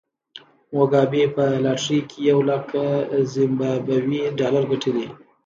موګابي په لاټرۍ کې یو لک زیمبابويي ډالر ګټي.